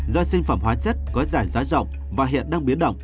do sinh phẩm hóa chất có dài giá rộng và hiện đang biến động